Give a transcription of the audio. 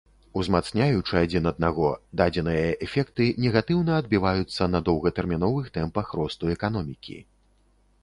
Узмацняючы адзін аднаго, дадзеныя эфекты негатыўна адбіваюцца на доўгатэрміновых тэмпах росту эканомікі.